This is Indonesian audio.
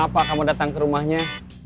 apa kamu datang ke rumahnya